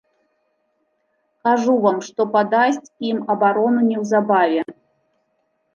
Кажу вам, што падасць ім абарону неўзабаве.